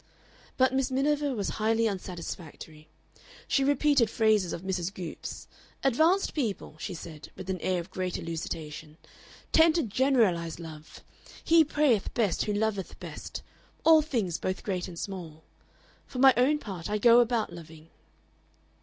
But Miss Miniver was highly unsatisfactory. She repeated phrases of Mrs. Goopes's: "Advanced people," she said, with an air of great elucidation, "tend to GENERALIZE love. 'He prayeth best who loveth best all things both great and small.' For my own part I go about loving."